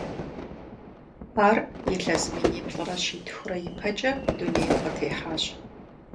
Ар илъэс миниплӏрэ щитхурэ ипэкӀэ дунейм къытехьащ.